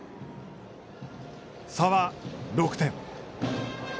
差は６点。